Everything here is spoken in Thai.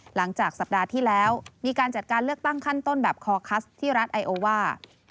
หลังจากสัปดาห์ที่แล้วมีการจัดการเลือกตั้งขั้นต้นแบบคอคัสที่รัฐไอโอว่า